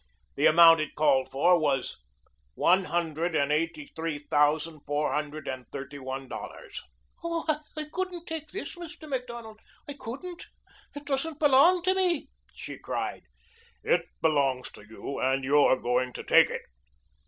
The amount it called for was one hundred and eighty three thousand four hundred and thirty one dollars. "Oh, I couldn't take this, Mr. Macdonald I couldn't. It doesn't belong to me," she cried. "It belongs to you and you're going to take it."